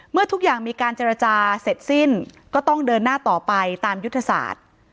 ทุกอย่างมีการเจรจาเสร็จสิ้นก็ต้องเดินหน้าต่อไปตามยุทธศาสตร์